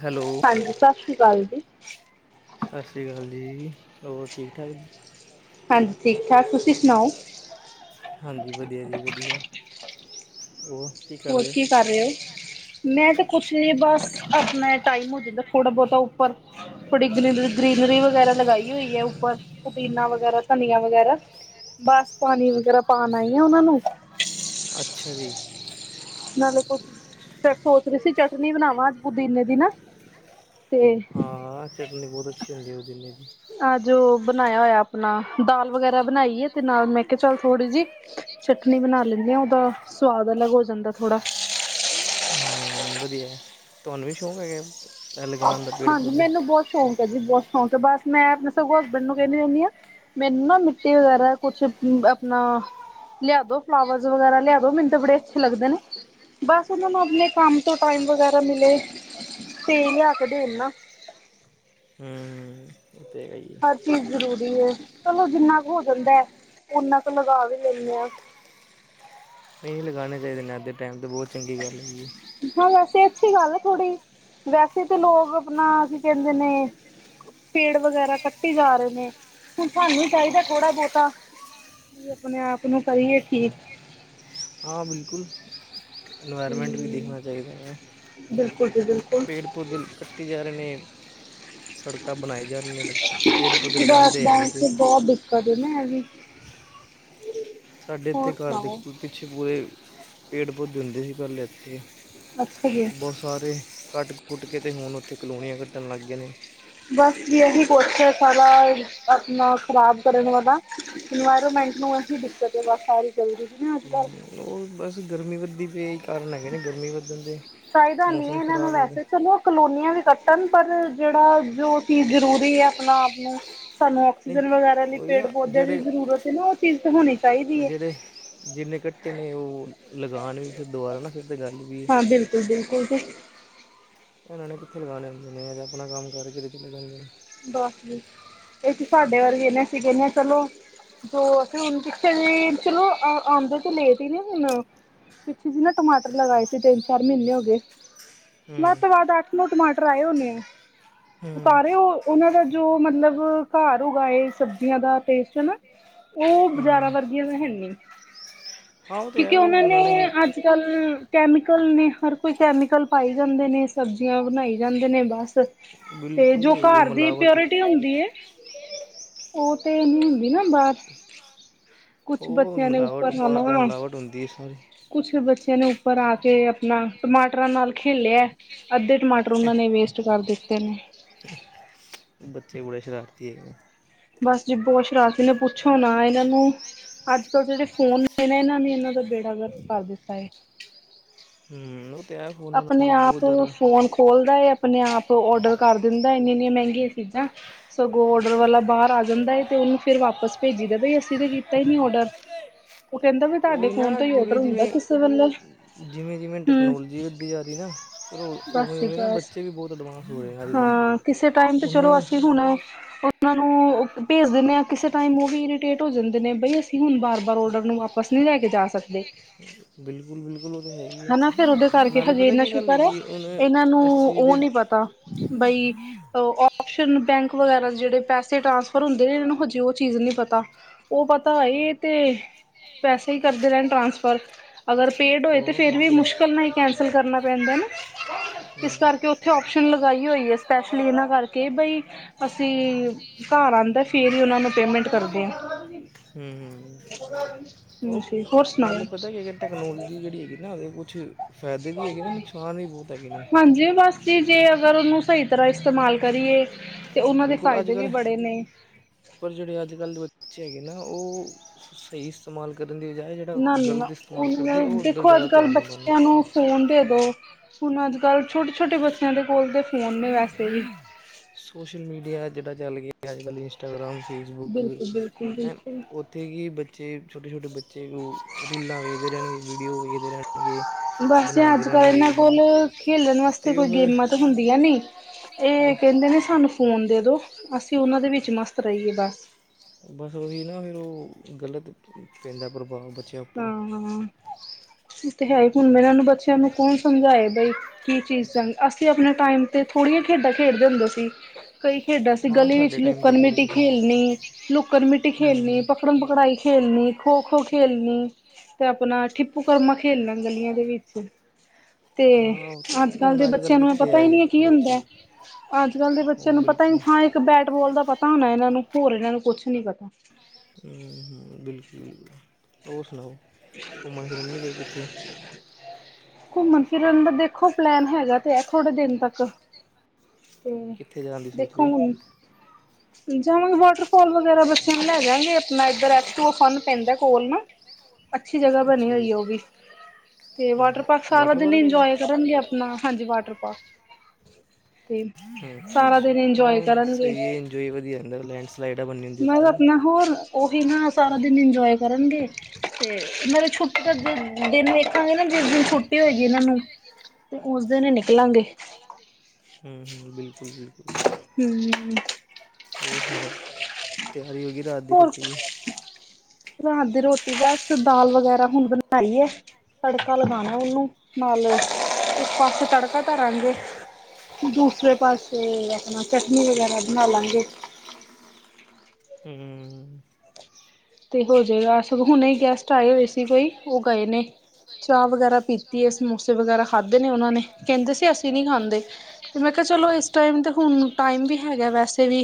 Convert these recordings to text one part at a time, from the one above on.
Hello. ਹਾਂਜੀ ਸਤਿ ਸ੍ਰੀ ਅਕਾਲ ਜੀ ਸਤਿ ਸ਼੍ਰੀ ਅਕਾਲ ਜੀ। ਹੋਰ ਠੀਕ ਠਾਕ ਤੁਸੀਂ ਹਾਂਜੀ ਠੀਕ-ਠਾਕ, ਤੁਸੀ ਸੁਣਾਓ ਹਾਂਜੀ ਉਹ ਕੀ ਕਰ ਹੋਰ ਰਹੇ ਕਰ ਹੋ? ਮੈਂ ਤੇ ਕੁਛ ਨੀ ਬਸ ਆਪਣਾ ਟਾਈਮ ਹੋ ਜਾਂਦਾ ਥੋੜਾ ਬਹੁਤਾ ਉੱਪਰ ਬੜ ਗਰੀ ਗਰੀਦ ਰੀ ਵਗੈਰਾ ਲਗਾਈ ਹੋਈ ਹੈ ਉੱਪਰ ਪੁਦੀਨਾ ਵਗੈਰਾ ਧਨੀੀਆਂ ਵਗੈਰਾ ਬਸ ਪਾਣੀ ਵਗੈਰਾ ਪਾਣਾ ਹੀ ਆ ਉਹਨਾਂ ਨੂੰ ਅੱਛਾ ਜੀ ਨਾਲੇ ਕੁਛ ਸੋਚ ਰਹੇ ਸੀ ਚਟਨੀ ਬਣਾਵਾਂ ਅੱਜ ਪੁਦੀਨੇ ਦੀ ਨਾ ਤੇ ਹਾਂ ਚਟਨੀ ਬਹੁਤ ਅੱਛੀ ਹੁੰਦੀ ਹੈ ਉਹ ਦਿਨੇ ਦੀ ਆ ਜੋ ਬਣਾਇਆ ਹੋਇਆ ਆਪਣਾ ਦਾਲ ਵਗੈਰਾ ਬਣਾਈ ਹੈ ਤੇ ਨਾਲ ਮੈਂ ਕਿਹਾ ਚੱਲ ਥੋੜ੍ਹੀ ਜਿ ਚਟਨੀ ਬਣਾ ਲੈਂਦੇ ਹਾਂ ਉਹਦਾ ਸਵਾਦ ਅਲੱਗ ਹੋ ਜਾਂਦਾ ਥੋੜ੍ਹਾ ਹਮ ਵਧੀਆ ਤੁਹਾਨੂੰ ਵੀ ਸ਼ੌਕ ਹੈਗਾ ਲਗਾਉਣ ਦਾ ਪੇੜ ਹਾਂਜੀ ਪੌਦੇ? ਮੈਨੂੰ ਬਹੁਤ ਸ਼ੌਕ ਹੈ ਜੀ ਬਹੁਤ ਸ਼ੌਕ ਹੈ ਬਸ ਮੈਂ ਆਪਣੇ ਸਗੋਂ ਹਸਬੈਂਡ ਨੂੰ ਕਹਿੰਦੀ ਰਹਿੰਦੀ ਹਾਂ ਮੈਨੂੰ ਨਾ ਮਿੱਟੀ ਵਗੈਰਾ ਕੁਛ ਆਪਣਾ ਲਿਆ ਦੋ ਫਲਾਵਰ ਵਗੈਰਾ ਲਿਆ ਦੋ ਮੈਨੂੰ ਤਾਂ ਬੜੇ ਅੱਛੇ ਲੱਗਦੇ ਨੇ ਬਸ ਉਹਨਾਂ ਨੂੰ ਆਪਣੇ ਕੰਮ ਤੋਂ ਟਾਈਮ ਵਗੈਰਾ ਮਿਲੇ ਤੇ ਕਦੇਨਾ ਹੂੰ ਉਹ ਤੇ ਹੈਗਾ ਹੀ ਹੈ। ਹਰ ਚੀਜ਼ ਜ਼ਰੂਰੀ ਹੈ ਚਲੋ ਜਿੰਨਾ ਕੁ ਹੋ ਜਾਂਦਾ ਹੈ ਨਾ ਕੁ ਲਗਾ ਵੀ ਲੈਂਦੇ ਹਾਂ ਨਹੀਂ ਲਗਾਣੇ ਚਾਹੀਦੇ ਨੇ ਅੱਧ ਟਾਈਮ ਤੇ ਬਹੁਤ ਚੰਗੀ ਗੱਲ ਹੈਗੀ ਹਾਂ ਵੈਸੇ ਅੱਛੀ ਗੱਲ ਹੈ ਥੋੜ੍ਹੀ ਵੈਸੇ ਤਾਂ ਲੋਕ ਆਪਣਾ ਕੀ ਕਹਿੰਦੇ ਨੇ ਪੇੜ ਵਗੈਰਾ ਕੱਟੀ ਜਾ ਰਹੇ ਨੇ ਹੁਣ ਸਾਨੂੰ ਚਾਹੀਦਾ ਥੋੜਾ ਬਹੁਤਾ ਵੀ ਆਪਣੇ ਆਪ ਨੂੰ ਕਰੀਏ ਠੀਕ ਹਾਂ ਬਿਲਕੁਲ ਇਨਵਾਇਰਮੈਂਟ ਵੀ ਹਮ ਦੇਖਣਾ ਚਾਹੀਦਾ ਹੈ ਬਿਲਕੁਲ ਜੀ ਬਿਲਕੁਲ ਪੇੜ ਪੌਦੇੇ ਕੱਟੇ ਜਾ ਰਹੇ ਨੇ ਸੜਕਾਂ ਬਣਾਈ ਜਾਣ ਪੇੜ ਪੌਧੇ ਬਸ ਲਗਉਦੇ ਹੈ ਬੈਂਕ ਨਹੀਂ ਫ ਚ ਬਹੁਤ ਦਿੱਕਤ ਹੈ [inaudible] ਸਾਡੇ ਹੋਰ ਇੱਥੇ ਘਰ ਦੇ ਸੁਣਾਓ ਕੋਲ ਪਿੱਛੇ ਪੂਰੇ ਪੇੜ ਪੌਦੇੇ ਹੁੰਦੇ ਸੀ ਪਹਿਲੇ ਇੱਥੇ ਅੱਛਾ ਜੀ ਬਹੁਤ ਸਾਰੇ ਕੱਟ ਕੁੱਟ ਕੇ ਤੇ ਹੁਣ ਉੱਥੇ ਕਲੋਨੀਆਂ ਕੱਢਣ ਲੱਗ ਗਏ ਨੇ ਬਸ ਵੀ ਅਸੀ ਪੁੱਛੇ ਸਾਰਾ ਆਪਣਾ ਖ਼ਰਾਬ ਕਰਨ ਵਾਲਾ ਇਨਵਾਰਮ ਇਸਨੂੰ ਇਹੀ ਦਿੱਕਤ ਹੈ ਸਾਰੀ। ਚੱਲਦੀ ਪਈ ਨਾ ਅੱਜ ਕੱਲ ਹਮ ਹੋ ਬਸ ਗਰਮੀ ਵੱਧਦੀ ਪਈ ਇਹੀ ਕਾਰਨ ਹੈਗੇ ਨਹੀਂ ਗਰਮੀ ਵੱਧਨ ਦੇ। ਚਾਹੀਦਾ ਨੀ ਮੌਸਮ ਹੈ ਇਹਨਾਂ ਨੂੰ ਖਰਾਬ ਹੁੰਦਾ ਵੈਸੇ ਚਲੋ ਕਲੋਨੀਆਂ ਵੀ ਕੱਟ ਪਰ ਜਿਹੜਾ ਜੋ ਚੀਜ਼ ਜ਼ਰੂਰੀ ਹੈ ਆਪਣਾ ਆਪ ਨੂੰ ਸਾਨੂੰ ਨਹੀਂ ਆਕਸੀਜਨ ਵਗੈਰਾ ਲਈ ਉਹੀ ਪੇੜ ਨਾ ਪੌਦੇ ਦੀ ਜਿਹੜੇ ਜ਼ਰੂਰਤ ਹੈ ਨਾ ਉਹ ਚੀਜ਼ ਤੇ ਹੋਣੀ ਚਾਹੀਦੀ ਹੈ। ਕਟੇ ਨੇ ਉਹ ਲਗਾਣ ਵੀ ਫਿਰ ਦੁਬਾਰਾ ਨਾ ਫਿਰ ਗੱਲ ਵੀ। ਹਾਂ ਬਿਲਕੁਲ ਬਿਲਕੁਲ ਜੀ। ਇਹਨਾਂ ਨੇ ਕਿੱਥੇ ਲਗਾਨੇ ਹੁੰਦੇ ਨੇ ਇਹ ਆਪਣਾ ਕੰਮ ਕਰਕੇ ਚਲੇ ਜਾਂਦੇ ਨੇ। ਬਸ ਵੀ ਏ ਤੇ ਸਾਡੇ ਵਰਗੇ ਨੇ ਅਸੀਂ ਕਹਿਨੇ ਆ ਚਲੋ ਦ ਅਸੀਂ ਹੁਣ ਪਿੱਛੇ ਜੀ ਚਲੋ ਆਉਂਦੇ ਤੇ ਲੇਟ ਹੀ ਨੇ ਹੁਨ। ਪਿੱਛੇ ਜੀ ਨਾ ਟਮਾਟਰ ਲਗਾਏ ਸੀ ਤਿੰਨ ਚਾਰ ਮਹੀਨੇ ਹੋ ਗਏ। ਵੱਧ ਹੂੰ ਤੋਂ ਵੱਧ ਅੱਠ ਨੌ ਟਮਾਟਰ ਆਏ ਹੋਣੇ ਆ ਹੂੰ ਉਤਾਰੇ ਉਹ ਉਹਨਾਂ ਦਾ ਜੋ ਮਤਲਬ ਘਰ ਉਗਾਏ ਸਬਜ਼ੀਆਂ ਦਾ ਟੇਸਟ ਹਨਾ ਉਹ ਹੂੰ ਬਾਜ਼ਾਰਾਂ ਵਰਗੀਆਂ ਤਾਂ ਹੈਨੀ। ਹਾਂ ਉਹ ਤਾਂ ਹੈ ਕਿਉਂਕਿ ਉਹ ਉਹਨਾਂ ਨੇ ਅੱਜ ਕੱਲ ਕੈਮੀ ਕਲ ਨੇ ਹਰ ਕੋਈ ਕੈਮੀਕਲ ਪਾਈ ਜਾਂਦੇ ਨੇ ਸਬਜ਼ੀਆਂ ਬਣਾਈ ਜਾਂਦੇ ਨੇ ਬਸ ਤੇ ਬਿਲਕੁਲ ਜੋ ਘਰ ਦੀ ਮਿਲਾਵਟ ਪਿਓਰਿਟੀ ਹੁੰਦੀ ਹੈ ਉਹ ਤੇ ਹੁੰਦੀ ਨਾ ਬਾਰ। ਕੁਛ ਉਹ ਬੱਚਿਆਂ ਨੇ ਮਿਲਾਵਟ ਉਪਰ ਬਾਹਰ ਤੇ ਮਿਲਾਵਟ [unintelligible] ਹੁੰਦੀ ਹੈ ਸਾਰੀ ਕੁਛ ਬੱਚਿਆਂ ਨੇ ਉਪਰ ਆ ਕੇ ਆਪਣਾ ਟਮਾਟਰਾਂ ਨਾਲ ਖੇਲਿਆ। ਅੱਧੇ ਟਮਾਟਰ ਉਹਨਾਂ ਨੇ ਵੇਸਟ ਕਰ ਦਿੱਤੇ ਨੇ। ਬੱਚੇ ਬੜੇ ਸ਼ਰਾਰਤੀ ਹੈਗੇ। ਬਸ ਜੀ ਬੋ ਸ਼ਰਾਰਤੀ ਨੇ ਪੁੱਛੋ ਨਾ ਏਨਾਂ ਨੂੰ ਅੱਜ ਕਲ ਜੇੜ੍ਹੇ ਫੋਨ ਨੇ ਨਾ ਏਨਾਂ ਨੇ ਇੰਨਾ ਦਾ ਬੇੜਾ ਗਰਕ ਕਰ ਦਿੱਤਾ ਏ। ਹੂੰ ਉਹ ਤੇ ਹੈ ਫੋਨਾਂ ਆਪਣੇ ਨਾਲ ਆਪ ਬਹੁਤ ਜ਼ਿਆਦਾ ਫੋਨ ਖੋਲਦਾ ਏ ਆਪਣੇ ਆਪ ਔਡਰ ਕਰ ਦਿੰਦਾ ਇੰਨੀਆਂ-ਇੰਨੀਆਂ ਮਹਿੰਗੀਆਂ ਚੀਜ਼ਾਂ ਸਗੋਂ ਔਡਰ ਵਾਲਾ ਬਾਰ ਆ ਜਾਂਦਾ ਏ ਤੇ ਓਨੂੰ ਫੇਰ ਵਾਪਸ ਭੇਜੀ ਦਾ ਬਈ ਅਸੀਂ ਤਾਂ ਕੀਤਾ ਈ ਨੀ ਔਡਰ। [unintelligible] ਉਹ ਕਹਿੰਦਾ ਵੀ ਤੁਹਾਡੇ ਓਹੀ ਨਾ ਫੋਨ ਤੋਂ ਹੀ ਔਡਰ ਹੁੰਦਾ ਜਿਵੇਂ-ਜਿਵੇਂ, ਕਿਸੇ ਵੇਲੇ ਜਿਵੇਂ-ਜਿਵੇਂ ਟ ਹਮ ਕਨੋਲੋਜੀ ਵਦੀ ਜਾ ਰੀ ਨਾ ਫਿਰ ਉ ਬਸ ਜੀ ਉਵੇਂ ਨਾ ਬਸ ਬੱਚੇ ਵੀ ਬੋਤ ਐਡਵਾਂਸ ਹੋ ਰਹੇ ਅੱਜ ਕੱਲ੍ਹ ਹਾਂ ਕਿਸੇ ਟਾਈਮ ਤੇ ਹੁਣ ਚਲੋ ਅਸੀਂ ਹੁਣ ਓਨਾਂ ਨੂੰ ਓ ਭੇਜ ਦਿੰਨੇ ਆ ਕਿਸੇ ਟਾਈਮ ਓ ਵੀ ਇਰੀਟੇਟ ਹੋ ਜਾਂਦੇ ਨੇ ਬਈ ਅਸੀਂ ਹੁਣ ਬਾਰ-ਬਾਰ ਔਡਰ ਨੂੰ ਵਾਪਸ ਨੂੰ ਲੈ ਕੇ ਜਾ ਸਕਦੇ। ਬਿਲਕੁਲ-ਬਿਲਕੁਲ ਓ ਤੇ ਹੈ ਈ ਏ ਹਨਾ ਫੇਰ ਉਹਦੇ ਕਰਕੇ ਨਾਲੇ ਹਜੇ ਪਤਾ ਇੰਨਾ ਕੀ ਗੱਲ ਸ਼ੁਕਰ ਹੈ ਹੈਗੀ ਹੁਣ ਇਹਨਾਂ ਨੂੰ ਇਸ ਚੀਜ਼ ਉਹ ਦੇ ਨੀ ਪਤਾ ਬਈ ਓ ਓਸਨ ਬੈਂਕ ਵਗੈਰਾ ਜੇੜ੍ਹੇ ਪੈਸੇ ਟ੍ਰਾਂਸਫਰ ਹੁੰਦੇ ਨੇ ਏਨਾਂ ਨੂੰ ਹਜੇ ਓ ਚੀਜ਼ ਨੀ ਪਤਾ ਓ ਪਤਾ ਏ ਤੇ ਪੈਸੇ ਈ ਕਰਦੇ ਰੇਨ ਟ੍ਰਾਂਸਫਰ ਅਗਰ ਪੇਡ ਹੋਏ ਤਾਂ ਉਹ ਫਿਰ ਵੀ ਬਿਲਕੁਲ ਮੁਸ਼ਕਿਲ ਨਾਲ ਈ ਕੈਂਸਲ ਕਰਨਾ ਪੈਂਦਾ ਨਾ ਇਸ ਹੂੰ ਕਰਕੇ ਉੱਥੇ ਆਪਸ਼ਨ ਲ ਗੀ ਹੋਈ ਐ ਸਪੈਸ਼ਲੀ ਏਨਾਂ ਕਰਕੇ ਬਈ ਅਸੀਂ ਘਰ ਆਂਦਾ ਫੇਰ ਈ ਓਨਾ ਨੂੰ ਪੇਮੈਂਟ ਕਰ ਦਿਆ ਹੂੰ-ਹੂੰ ਓ ਹਾਂਜੀ ਹੋਰ ਸੁਣਾਓ ਗੱਲ ਪਤਾ ਕੀ ਏ ਕਿ ਟੈਕਨੋਲਜੀ ਜੇੜੀ ਹੈਗੀ ਨਾ ਕੁੱਛ ਫਾਇਦੇ ਵੀ ਹੈਗੇ ਨੇ ਨੁਕਸਾਨ ਵੀ ਬੋ ਹਾਂਜੀ ਬਸ ਜੀ ਜੇ ਅਗਰ ਓਨੂੰ ਸਈ ਤਰ੍ਹਾਂ ਇਸਤੇਮਾਲ ਕਰੀਏ ਤੇ ਉਨਾਂ ਦੇ ਬਿਲਕੁਲ ਅੱਜ ਫਾਇਦੇ ਵੀ ਕੱਲ੍ਹ ਬੜੇ ਨੇ। ਪਰ ਜਿਹੜੇ ਅੱਜ ਕੱਲ੍ਹ ਦੇ ਬੱਚੇ ਹੈਗੇ ਨਾ ਓ ਸਈ ਇਸਤੇਮਾਲ ਕਰ ਨਾ-ਨਾ ਉਹੀ ਨਾ ਉਹ ਉੱਧਰ ਦੇਖੋ ਅੱਜ ਜ਼ਿਆਦਾ ਕੱਲ ਧਿਆਨ ਹੁੰਦਾ ਨੇ ਬੱਚਿਆਂ ਨੂੰ ਫੋਨ ਦੇਦੋ ਹੁਣ ਅੱਜ ਕੱਲ੍ਹ ਛੋਟੇ-ਛੋਟੇ ਬੱਚਿਆਂ ਦੇ ਕੋਲ ਤੇ ਫੋਨ ਨੇ ਵੈਸੇ ਵੀ। ਸੋਸ਼ਲ ਮੀਡੀਆ ਜਿਹੜਾ ਚੱਲ ਗਿਆ ਅੱਜ ਕੱਲ ਇੰਸਟਾਗ੍ਰਾਮ, ਫੇਸਬੁੱਕ ਬਿਲਕੁਲ ਬਿਲਕੁਲ ਬਿਲਕੁਲ ਉੱਥੇ ਕਿ ਬੱ ਚੇ ਛੋਟੇ-ਛੋਟੇ ਬੱਚੇ ਰੀਲਾਂ ਵੇਖਦੇ ਰੈਣਗੇ ਵੀਡੀਓ ਵੇਖਦੇ ਰੈਣ ਬਸ ਅੱਜ-ਕੱਲ ਏਨਾਂ ਕੋਲ ਖੇਲਣ ਵਾਸਤੇ ਅਤੇ ਕੋਈ ਉਹ ਫਿਰ ਗੇਮਾਂ ਤਾਂ ਹੁੰਦੀਆਂ ਨੀ ਏ ਬਸ ਕੇਂਦੇ ਨੇ ਸਾਨੂੰ ਫੋਨ ਦੇ ਦੋ ਅਸੀਂ ਓ ਨਾਂ ਦੇ ਵਿੱਚ ਮਸਤ ਰਈਏ ਬਸ। ਬਸ ਓਹੀ ਨਾ ਫਿਰ ਓ ਗਲਤ ਪੈਂਦਾ ਪ੍ਰਭਾਵ ਬ ਹਾਂ-ਹਾਂ ਏ ਤੇ ਹੈ ਹੀ, ਹੁਣ ਮੈਂ ਏਨਾ ਨੂੰ ਬੱਚਿਆਂ ਨੂੰ ਕੌਣ ਸਮਝਾਏ ਬਈ ਕੀ ਚੀਜ਼ ਚੰ ਅਸੀਂ ਆਪਣੇ ਟਾਈਮ ਤੇ ਥੋੜ੍ਹੀਆਂ ਖੇਡਾਂ-ਖੇਡਦੇ ਹੁੰਦੇ ਸੀ। ਕਈ ਖੇਡਾਂ ਸੀ, ਹਾਂ ਗਲੀ ਵਿੱਚ ਸਾਡੇ ਟਾਈਮ ਲੁੱਕੜ 'ਤੇ ਥੋੜ੍ਹੀ ਮਿੱਟੀ ਕੁਛ ਖੇਲਣੀ ਲੁੱਕਨ ਮਿੱਟੀ ਖੇਲਣੀ, ਹੂੰ ਪਕੜਨ ਪਕੜਾਈ ਖੇ ਲਣੀ ਖੋ-ਖੋ ਖੇਲਣੀ। ਤੇ ਆਪਣਾ ਠਿੱਪੂ ਕਰਮਾ ਖੇਲਣਾ ਗਲੀਆਂ ਦੇ ਵਿੱਚ। ਤੇ ਹਾਂ ਤੇ ਅੱਜ ਕੱਲ੍ਹ ਦੇ ਹੁਣ ਅਜ-ਕੱਲ੍ਹ ਬੱਚਿਆਂ ਕਿੱਥੇ ਐ ਅੱਜ-ਕੱਲ ਦੇ ਬੱਚਿਆਂ ਨੂੰ ਪਤਾ ਈ ਹਾਂ ਇੱਕ ਬੈਟਬੋਲ ਦਾ ਪਤਾ, ਹੋਣਾ ਏਨਾਂ ਨੂੰ ਹੋਰ ਏਨਾਂ ਨੂੰ ਕੁਛ ਨੀ ਪਤਾ। ਹੂੰ ਬਿਲਕੁਲ ਬਿਲਕੁਲ ਹੋਰ ਸੁਣਾਓ? ਘੁੰਮਣ ਫਿਰਨ ਨੀ ਗਏ ਕਿੱਥੇ? ਘੁੰਮਣ ਫਿਰਨ ਦਾ ਦੇਖੋ ਪਲੈਨ ਹੈਗਾ ਤੇ ਐ ਥੋੜੇ ਦਿਨ ਤੱਕ, ਤੇ ਕਿੱਥੇ ਜਾਣ ਦੀ ਸੋਚ ਦੇਖੋ ਰਹੇ ਹੁਣ। ਜਾਵਾਂਗੇ, ਵਾਟਰਫੋਲ ਵਗੈਰਾ ਬੱਚਿਆਂ ਨੂੰ ਲੇਜਾਂਗੇ ਆਪਣਾ ਇੱਧਰ ਐਚ [unintelligible] ਓ ਫੋਨ ਪੈਂਦਾ ਕੋਲ ਨਾ ਅੱਛੀ ਜਗ੍ਹਾ ਬਣੀ ਅੱਛਾ ਜੀ ਹੋਈ ਐ ਓ ਵੀ, ਤੇ ਹੂੰ ਵਾਟਰ ਹੂੰ ਪਾਰਕ ਸਾਰਾ ਵਾਟਰ ਦਿਨ ਪਾਰਕ ਹੈਗੇ ਇੰਜੋਏ ਕਰਨਗੇ, ਆਪਣਾ ਹਾਂਜੀ ਵਾਟਰ ਪਾਰਕ ਤੇ ਹੂੰ ਅੱਛਾ ਸਾਰਾ ਅੱਛਾ ਦਿਨ ਇੰਜੋਏ ਹਾਂ ਕਰਨਗੇ, ਸਹੀ ਹੈ ਇੰਜੋਏ ਵਧੀਆ ਹੁੰਦਾ ਲੈਂਡ ਸਲਾਈਡਾਂ ਬਣੀ ਹੁੰਦੀ ਮ ਉੱਥੇ ਨਾ ਆਪਣਾ ਹੋਰ ਓਹੀ ਨਾ ਸਾਰਾ ਦਿਨ ਇੰਜੋਏ ਕਰਨਗੇ ਤੇ [unintelligible] ਤਾਂ ਛੁੱਟੀ ਦਿਨ ਵੇਖਾਂਗੇ ਨਾ ਜਿਸ ਦਿਨ ਛੁੱਟੀ ਹੋਏਗੀ ਏਨਾਂ ਨੂੰ ਤੇ ਉਸ ਦਿਨ ਈ ਨਿਕਲਾਂਗੇ। ਹੂੰ-ਹੂੰ, ਬਿਲਕੁੱਲ-ਬਿਲ ਹੂੰ, ਹੋਰ ਸੁਣਾਓ? ਤਿਆਰੀ ਹੋਗੀ ਰਾਤ ਦੀ ਰੋਟੀ ਰਾ ਦੀ ਰੋਟੀ ਬਸ ਦਾਲ ਵਗੈਰਾ ਹੁਣ ਬਣਾਈ ਐ ਤੜਕਾ ਲਗਾਉਣਾ ਉਹਨੂੰ ਨਾਲ- ਇੱਕ ਪਾਸੇ ਤੜਕਾ ਤਰਾਨਗੇ। ਦੂਸਰੇ ਪਾਸੇ ਆਪਣਾ ਚਟਨੀ ਵਗੈਰਾ ਬਣਾ ਲਾਂਗੇ। ਹੂੰ-ਹੂੰ, ਤੇ ਹੋਜੇ ਗਾ ਹੁਣੇ ਹੀ ਗੈਸਟ ਆਏ ਹੋਏ ਸੀ, ਕੋਈ ਉਹ ਗਏ ਨੇ ਚਾਹ ਵਗੈਰਾ ਪੀਤੀ ਹੈ, ਸਮੋਸੇ ਵਗੈਰਾ ਖਾਧੇ ਨੇ ਉਹਨਾਂ ਨੇ ਕਹਿੰਦੇ ਸੀ ਅਸੀਂ ਨੀ ਖਾਂਦੇ ਤੇ ਮੈਂ ਕਿਹਾ। ਚਲੋ ਇਸ ਟਾਈਮ ਤੇ ਹੁਣ ਟਾਈਮ ਵੀ ਹੈਗਾ ਵੈਸੇ ਵੀ,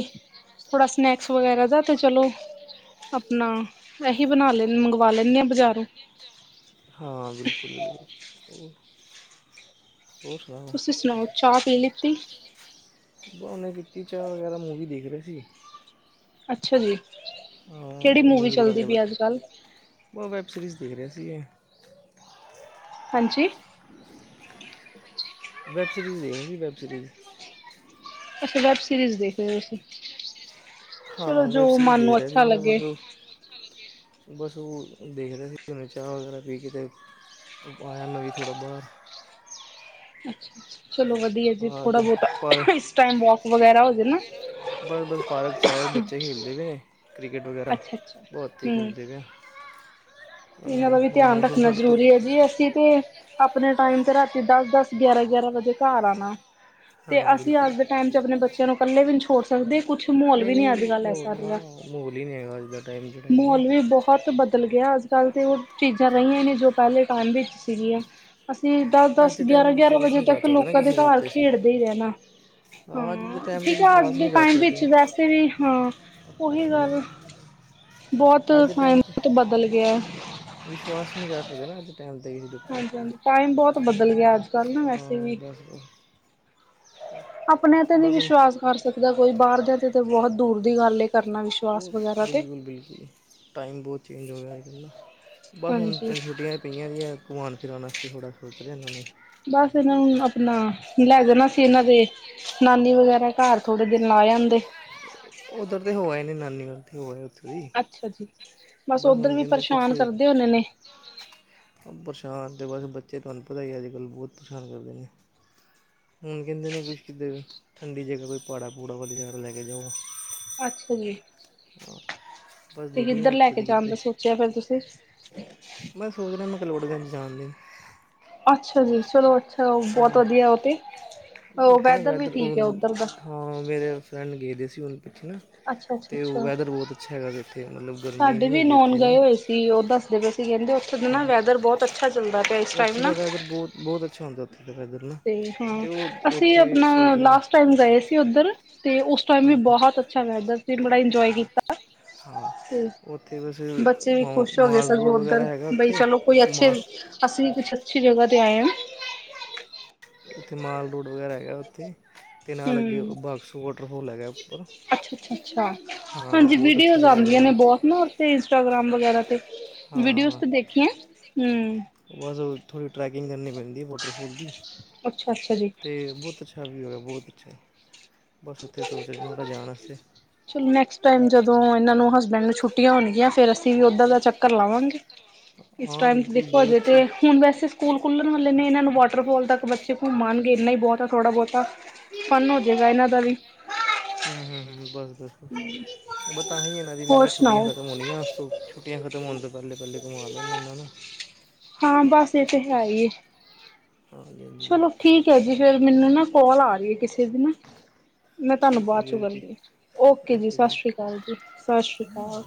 ਥੋੜਾ ਸਨੈਕਸ ਵਗੈਰਾ ਦਾ ਤੇ ਚਲੋ। ਨਾ ਇਸੀ ਬਣਾ ਲੈ ਮੰਗਵਾ ਲੈਂਨੀ ਆ ਬਜ਼ਾਰੋਂ, ਹਾਂ, ਬਿਲਕੁਲ-ਬਿਲਕੁਲ ਤੁਸੀਂ ਸੁਣਾਓ ਚਾਹ ਪੀ ਲਿੱਤੀ? ਬਾ ਉਹਨੇ ਕੀਤੀ ਚਾਹ ਵਗੈਰਾ ਮੂਵੀ ਦੇਖ ਰਹੇ ਸੀ। ਅੱਛਾ ਜੀ, ਕਿਹੜੀ ਮੂਵੀ ਚੱਲਦੀ ਪਈ ਅੱਜ-ਕੱਲ੍ਹ ਉਹ ਵੈੱਬ ਸੀਰੀਜ਼ ਦੇਖ ਰਿਹਾ ਸੀਗੇ। ਹਾਂਜੀ, ਵੈਬ ਸਰੀਜ਼ ਦੇ ਸੀ ਵੈਬ ਸਰੀਜ਼, ਅੱਛਾ ਵੈਬ ਸੀਰੀਜ਼ ਦੇਖਦੇ ਹੋ, ਤੁਸੀਂ? ਚਲੋ ਹਾਂ ਵੈਬ ਜੋ ਸੀਰੀਜ਼ ਮਨ ਦੇਖ ਨੂੰ ਰਿਹਾ ਸੀ ਅੱਛਾ ਮੈਂ ਲੱਗੇ ਬਸੋਂ, ਬਸ ਉਹ ਦੇਖਦੇ ਸੀ ਹਨਾ, ਚਾਹ ਵਗੈਰਾ ਪੀ ਕੇ ਤੇ, ਆਇਆ ਮ ਵੀ ਥੋੜ੍ਹਾ ਬਾਹਰ, ਅੱਛਾ ਚਲੋ ਵਧੀਆ ਜੀ, ਆ ਥੋੜਾ ਇੱਧਰ ਬਹੁਤ ਇਸ ਟੈਮ ਵੋਕ ਵਗੈਰਾ ਹੋ ਜੇਨਾ, ਬੜੇ ਬਸ ਫਾਰਕ ਚ ਆਏ ਬੱਚੇ ਖੇਡਦੇ ਨੇ, ਕ੍ਰਿਕਟ ਵਗੈਰਾ ਅੱਛਾ ਅੱਛਾ ਬਹੁਤ ਠੀਕ ਹੂੰ ਹੁੰਦੇ ਹੈ। ਇਹਨਾਂ ਦਾ ਵੀ ਧਿਆਨ ਰੱਖਣਾ ਜ਼ਰੂਰੀ ਹੈ, ਧੁੱਪ ਜੀ ਅਸੀਂ ਤੇ। ਆਪਣੇ ਟਾਈਮ ਤੇ ਰਾਤੀ ਦਸ-ਦਸ ਗਿਆਰਾਂ-ਗਿਆਰਾਂ ਵਜੇ ਘਰ ਆਣਾ ਤੇ ਹਾਂ ਅਸੀਂ ਬਿਲਕੁਲ ਅੱਜ ਦੇ ਟਾਈਮ ਚ ਆਪਣੇ ਬੱਚਿਆਂ ਨੂੰ ਕੱਲੇ ਵੀ ਨੀ ਛੋੜ ਸਕਦੇ। ਕੁਛ ਮਾਹੌਲ ਨਹੀਂ ਵੀ ਨੀ ਨਹੀਂ ਅੱਜ-ਕੱਲ ਐ ਮਾਹੌਲ ਸਾਰ ਨਾ ਦਾ ਮਾਹੌਲ ਹੀ ਨਹੀਂ ਹੈਗਾ ਅੱਜ ਦਾ ਟਾਈਮ ਜਿਹੜਾ ਹੈਗਾ ਨਾ ਮਾਹੌਲ ਵੀ ਬਹੁਤ ਵਧੀਆ, ਬਲਕੀ ਏ ਅੱਜ ਕੱਲ੍ਹ ਤੇ ਉਹ ਚੀਜ਼ਾਂ ਰਹੀਆਂ ਨੇ ਜੋ ਪਹਿਲੇ ਟਾਈਮ ਵਿੱਚ ਸੀਗੀਆਂ ਅਸੀਂ ਦਸ ਅੱਜ ਦਸ ਦੇ ਟਾਈਮ ਗਿਆਰਾਂ ਗਿਆਰਾਂ ਵਿਸ਼ਵਾਸ ਵਜੇ ਨਹੀਂ ਕਰ ਤੱਕ ਸਕਦੇ ਨਾ ਲੋਕਾਂ ਦੇ ਕਿਸੇ ਘਰ ਉੱਤੇ ਅਸੀਂ ਖੇਡਦੇ ਹੀ ਰਹਿਨਾ ਅੱਜ ਦੇ ਹਾਂ ਟਾਈਮ 'ਤੇ ਠੀਕ ਹੈ, ਵਿਸ਼ਵਾਸ ਅੱਜ ਦੇ ਨਹੀਂ ਕਰ ਟਾਈਮ ਸਕਦੇ ਵਿੱਚ ਵੈਸੇ ਵੀ ਹਾਂ, ਉਹੀ ਗੱਲ ਬਹੁਤ ਅੱਜ ਦੇ ਟਾਈਮ 'ਚ ਸਾਇੰਸਤ ਬਦਲ ਗਿਆ ਵਿਸ਼ਵਾਸ ਨਹੀਂ ਕਰ ਸਕਦੇ ਨਾ ਅੱਜ ਟਾਈਮ 'ਤੇ ਕਿਸੇ ਦੇ ਹਾਂਜੀ ਉੱਪਰ ਹਾਂਜੀ ਟਾਈਮ ਬਹੁਤ ਬਦਲ ਗਿਆ ਅੱਜ ਕੱਲ ਨਾ ਵੈਸੇ ਹਾਂ ਵੀ ਬਸ ਆਪਣਿਆਂ ਤੇ ਨੀ ਬਸ ਹੁਣ ਵਿਸ਼ਵਾਸ ਕਰ ਸਕਦਾ ਕੋਈ ਬਾਹਰਦਿਆਂ ਤੇ ਤੇ ਬਹੁਤ ਦੂਰ ਦੀ ਗੱਲ ਏ ਕਰਨਾ ਉਹ ਵਿਸ਼ਵਾਸ ਵਗੈਰਾ ਤੇ ਬਿਲਕੁਲ ਬਿਲਕੁਲ ਟਾਈਮ ਬਹੁਤ ਚੇਂਜ ਹੋ ਗਿਆ ਅਜ ਕੱਲ ਦਾ ਬਸ ਹੁਨ ਹਾਂਜੀ ਛੁੱਟੀਆਂ ਪਈਆਂ ਦੀ ਏ ਘੁਮਾਨ ਫਿਰਾਨ ਆਸਤੇ ਥੋੜ੍ਹਾ ਸੋਚ ਰਿਹਾ ਇਹਨਾਂ ਨੂੰ ਬਸ ਇਹਨਾਂ ਨੂੰ ਅਪਨਾ ਲੈ ਜਾਨਾ ਸੀ ਇਹਨਾਂ ਦੇ ਨਾਨੀ ਵਗੈਰਾ ਘਰ ਥੋੜੇ ਦਿਨ ਆ ਜਾਂਦੇ ਉੱਧਰ ਤੇ ਹੋ ਆਏ ਨੇ ਨਾਨੀ ਵਲ ਤੇ ਹੋਆ ਉਥੇ ਅੱਛਾ ਜੀ ਬਸ ਓਧਰ ਵੀ ਕਹਿੰਦੇ ਕੁਛ ਪਰੇਸ਼ਾਨ ਕਰਦੇ ਹੋਨੇ ਨੇ ਅਤੇ ਬਸ ਬੱਚੇ ਤੁਹਾਨੂੰ ਪਤਾ ਈ ਅੱਜ ਕੱਲ ਬਹੁਤ ਪ੍ਰੇਸ਼ਾਨ ਕਰਦੇ ਨੇ ਹੁਨ ਕਹਿੰਦੇ ਨੇ ਕੁਛ ਕਿੱਧਰ ਠੰਡੀ ਜਗ੍ਹਾ ਕੋਈ ਪਾੜਾ ਪੂੜਾ ਵਾਲੀ ਜਗ੍ਹਾ ਲੈ ਕੇ ਜਾਓ ਅੱਛਾ ਜੀ ਉਹ ਤੇ ਕਿੱਧਰ ਲੈ ਕੇ ਜਾਣ ਦਾ ਸੋਚਿਆ ਫੇਰ ਤੁਸੀਂ ਮੈਂ ਸੋਚਦਾ ਮੈਕਲੋਡਗੰਜ ਜਾਣ ਦੀ ਅੱਛਾ ਜੀ, ਚਲੋ ਅੱਛਾ ਬਹੁਤ ਹਾਂ ਵਧੀਆ ਉਹ ਤੇ ਉਹ ਉੱਥੇ ਨਾ ਵੀ ਵੈਦਰ ਠੀਕ ਹੈ ਉੱਧਰ ਦਾ [unintelligible] ਹਾਂ ਮੇਰੇ ਫਰੈਂਡ ਗਏ ਦੇ ਸੀ। ਪ ਨਾ ਅੱਛਾ ਅੱਛਾ ਅਤੇ ਉਹ ਅੱਛਾ ਵੈਦਰ ਬਹੁਤ ਅੱਛਾ ਹੈਗਾ ਉੱਥੇ ਮਤਲਬ ਗਰਮੀ ਸਾਡੇ ਨਹੀਂ ਵੀ ਹੈਗੀ ਨੋਨ ਉੱਥੇ ਗਏ ਇੰਨੀ ਹੋਏ ਸੀ ਉਹ ਦੱਸਦੇ ਪਏ ਅ ਕਹਿੰਦੇ ਉੱਥੇ ਨਾ ਹਾਂ ਵੈਦਰ ਬਹੁਤ ਅੱਛਾ ਚੱਲਦਾ ਪਿਆ ਇਸ ਟਾਈਮ ਉੱਥੇ ਦਾ ਨਾ ਵੈਦਰ ਬਹੁਤ ਬਹੁਤ ਅੱਛਾ ਹੁੰਦੇ ਤੇ ਹਾਂ ਅਸੀਂ ਉੱਥੇ ਅਪਨਾ ਸੋਚ ਲਾਸਟ ਰਿਹਾ ਟਾਈਮ ਗਏ ਸੀ ਉੱਧਰ, ਤੇ ਉਸ ਟ ਵੀ ਬਹੁਤ ਅੱਛਾ ਵੈਦਰ ਸੀ, ਬੜਾ ਇੰਜੋਏ ਕੀਤਾ ਹਾਂ ਉੱਥੇ ਬਸ ਬੱਚੇ ਵੀ ਮ ਖੁਸ਼ ਹੋ ਗਏ ਮਾਲ ਰੋਡ ਸਗੋਂ ਵਗੈਰਾ ਉੱਧਰ ਹੈਗਾ ਬਈ ਉੱਥੇ ਚਲੋ ਕੋਈ ਅੱਛੇ ਮਾ ਅਸੀਂ ਵੀ ਕੁਛ ਦੂਸਰੀ ਜਗਹਾ ਦੇ ਆਇ ਆ ਉੱਥੇ ਮਾਲ ਰੋਡ ਵਗੈਰਾ ਹੈਗਾ ਉੱਥੇ ਤੇ ਨਾਲ ਅੱਗੇ ਹਮ ਬਾਕਸੋ ਵੋਟਰ ਹੋ ਲੇ ਗਇਆ ਉੱਪਰ, ਅੱਛਾ-ਅੱਛਾ-ਅੱਛਾ ਹਾਂ ਹਾਂਜੀ ਬਹੁਤ ਅੱਛੀ ਵੀਡੀਓਜ਼ ਜਗ੍ਹਾ ਬਣੀ ਆਂਦੀਆਂ ਨੇ ਹੋਈ ਬਹੁਤ ਨਾ ਉਤੇ ਇੰਸਟਾਗ੍ਰਾਮ ਵਗੈਰਾ ਤੇ ਵੀਡੀਓਜ਼ ਹਾਂ ਹ ਤੇ ਦੇਖੀਆਂ ਹੂੰ ਬਸ ਥੋੜੀ ਟਰੈਕਿੰਗ ਕਰਨੀ ਪੈਂਦੀ ਵਾਟਰਫੋਲ ਦੀ ਅੱਛਾ-ਅੱਛਾ ਜੀ। ਤੇ ਬਹੁਤ ਅੱਛਾ ਵਿਊ ਹੈ, ਬਹੁਤ ਅੱਛਾ ਬਸ ਉੱਥੇ ਸੋਚ ਰਹੇ ਹਾਂ ਥੋੜ੍ਹਾ ਜਾਣ ਵਾਸਤੇ ਚਲੋ ਨੈਕਸਟ ਟਾਈਮ ਜਦੋਂ ਇਹਨਾਂ ਨੂੰ ਹਸ ਮੈਨੂੰ ਛੁੱਟੀਆਂ ਹੋਨਗੀਆਂ ਫੇਰ ਅਸੀਂ ਵੀ ਓਦਾਂ ਦਾ ਚੱਕਰ ਲਾਵਾਂਗੇ। ਇਸ ਹਾਂ ਟਾਈਮ ਤੇ ਬਿਲਕੁਲ ਦੇਖੋ ਬਹੁਤ ਹਜੇ ਅੱਛੀ ਤੇ ਹੁਣ ਵੈਸੇ ਸਕੂਲ ਖੁੱਲਨ ਵਾਲੇ ਨੇ ਇਹਨਾਂ ਨੂੰ ਵਾਟਰਫੋਲ ਤੱਕ ਬੱਚੇ ਘੁੰਮ ਆਨਗੇ, ਇੰਨਾ ਈ ਬਹੁਤ ਏ ਥੋੜਾ ਬਹੁਤਾ ਫੰਨ ਹੋ ਜੇ ਇਹਨਾਂ ਦਾ ਵੀ ਹਮ ਹਮ ਹਮ ਬੱਸ ਤਾਂ ਹੀ ਨਾਂ ਮ ਹੋਰ ਕਿਹਾ ਛੁੱਟੀਆਂ ਸੁਣਾਓ ਖਤਮ ਹੋਣੀਆਂ, ਛੁਟੀਆਂ ਖਤਮ ਹੋਣ ਤੋਂ ਪਹਿਲੇ ਪਹਿਲੇ ਘੁਮਾ ਘੁਮਾਵਾਂ ਇਹਨਾਂ ਨੂੰ ਹਾਂ ਬਸ ਏ ਤੇ ਹੈ ਈ ਐ ਹਾਂਜੀ ਹਾਂਜੀ ਚਲੋ ਬਿਲਕੁਲ ਠੀਕ ਹੈ ਜੀ ਫੇਰ ਮੈਨੂੰ ਨਾ ਕੋਲ ਆ ਰਹੀ ਹੈ ਕਿਸੇ ਦੀ ਨਾ ਮੈਂ ਤੁਹਾਨੂੰ ਠੀਕ ਹੈ ਬਾਦ ਚੋ ਜੀ ਗਲ਼ ਓਕੇ ਕਰ ਓਕੇ ਜੀ, ਸਸ ਸ਼੍ਰੀ ਕਾਲ ਜੀ, ਸਸ ਸ਼੍ਰੀ ਕਾਲ